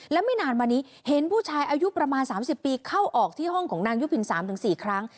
และไม่นานมานี้เห็นผู้ชายอายุประมาณ๓๐ปีเข้าออกที่ห้องของนางยุพิน๓๔ครั้ง